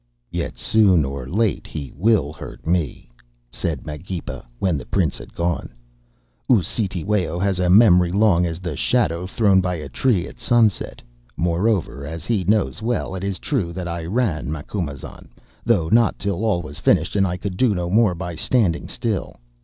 "'Yet soon or late he will hurt me,' said Magepa, when the Prince had gone. 'U'Cetewayo has a memory long as the shadow thrown by a tree at sunset. Moreover, as he knows well, it is true that I ran, Macumazahn, though not till all was finished and I could do no more by standing still.